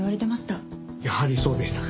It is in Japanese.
やはりそうでしたか。